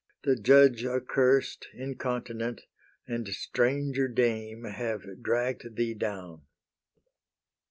The judge accurst, incontinent, And stranger dame have dragg'd thee down.